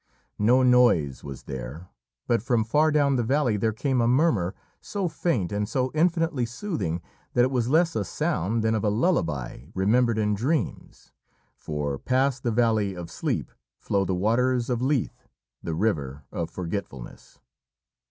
No noise was there, but from far down the valley there came a murmur so faint and so infinitely soothing that it was less a sound than of a lullaby remembered in dreams. For past the valley of Sleep flow the waters of Lethe, the river of Forgetfulness.